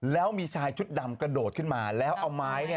แล้วมีชายชุดดำกระโดดขึ้นมาแล้วเอาไม้